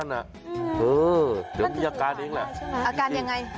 อาการยังไง